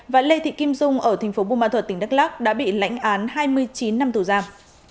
và lê thị kim dung ở tp bumathuật tỉnh đắk lắc đã bị lãnh án hai mươi chín năm tù giam